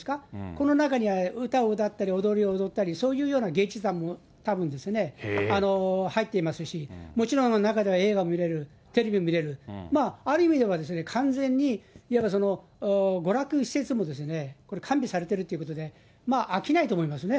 この中には歌を歌ったり、踊りを踊ったり、そういうような芸術団もたぶん入っていますし、もちろん、中では映画も見れる、テレビも見れる、ある意味では、完全にいわばその、娯楽施設も完備されてるってことで、飽きないと思いますね。